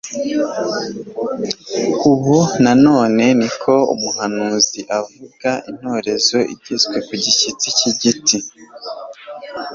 Ubu na none,'' niko umuhanuzi avuga, ''intorezo igezwe ku gishyitsi cy'igiti